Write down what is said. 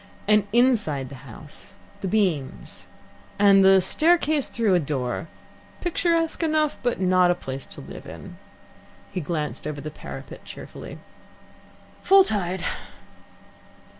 And, inside the house, the beams and the staircase through a door picturesque enough, but not a place to live in." He glanced over the parapet cheerfully. "Full tide.